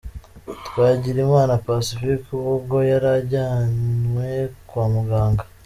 Twagirimana Pacifique ubwo yari ajyanwe kwa muganga .